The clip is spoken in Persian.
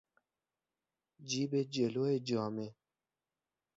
جیب جلو جامه